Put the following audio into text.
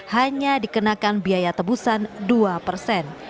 hanya dikenakan biaya tebusan dua persen